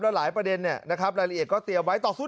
แล้วหลายประเด็นนะครับรายละเอียดก็เตรียมไว้ต่อสู้ได้